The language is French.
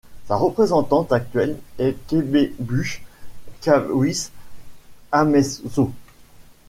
Sa représentante actuelle est Kebebush Kawis Hameso.